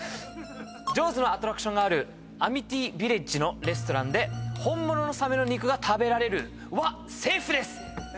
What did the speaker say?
『ジョーズ』のアトラクションがあるアミティ・ビレッジのレストランで本物のサメの肉が食べられるはセーフです！